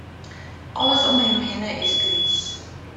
Alles om him hinne is griis.